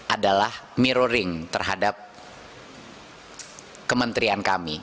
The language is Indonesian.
adalah mirroring terhadap kementerian kami